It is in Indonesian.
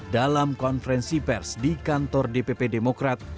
dalam konferensi pers di kantor dpp demokrat